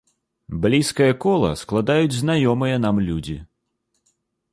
Блізкае кола складаюць знаёмыя нам людзі.